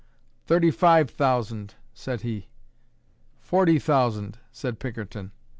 "Thirty five thousand," said he. "Forty thousand," said Pinkerton.